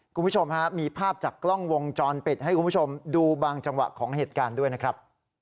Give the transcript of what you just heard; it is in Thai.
คุณผู้ชมฮะมีภาพจากกล้องวงจรปิดให้คุณผู้ชมดูบางจังหวะของเหตุการณ์ด้วยนะครับ